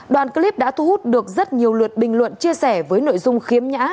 đoàn clip đã thu hút được rất nhiều lượt bình luận chia sẻ với nội dung khiếm nhã